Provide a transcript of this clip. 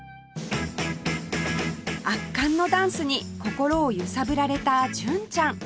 圧巻のダンスに心を揺さぶられた純ちゃん